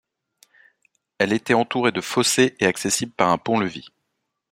Elle était entourée de fossés et accessible par un pont-levis.